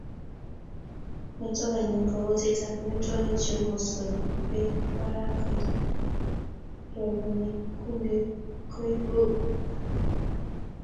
Noto anyun ko kolsetab amitwogik cheu mosongik Bek marakwet robwonik kundek koibu